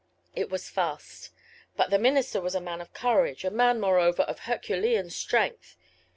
It was fast. But the minister was a man of courage, a man, moreover, of Herculean strength.